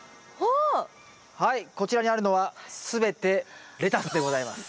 はいこちらにあるのは全てレタスでございます。